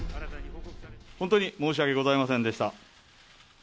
本当に申し訳ございませんでした。